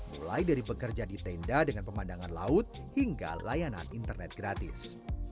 mulai dari bekerja di tenda dengan pemandangan laut hingga layanan internet gratis